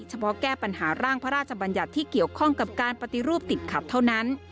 เฉพาะแก้ปัญหาร่างพระราชบัญญัติที่เกี่ยวข้องกับการปฏิรูปติดขับเท่านั้น